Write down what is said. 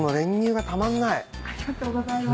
ありがとうございます。